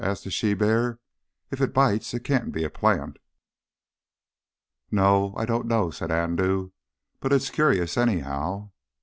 asked the she bear. "If it bites it can't be a plant." "No I don't know," said Andoo. "But it's curious, anyhow."